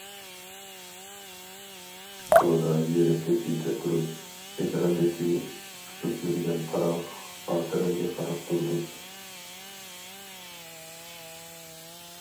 توردا يېرىم كېچىگىچە تۇرۇپ، ئېكراندىكى ئۇچۇپ يۈرگەن پاراڭ خاتىرەمگە قاراپ تۇردۇم.